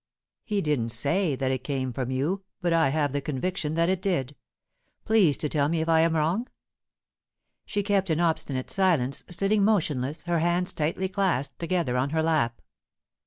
He didn't say that it came from you, but I have the conviction that it did. Please to tell me if I am wrong." She kept an obstinate silence, sitting motionless, her hands tightly clasped together on her lap.